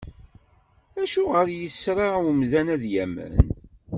Acuɣer yesra umdan ad yamen?